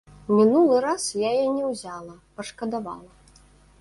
Мінулы раз я яе не ўзяла, пашкадавала.